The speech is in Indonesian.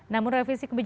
namun revisi kembali